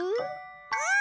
うん！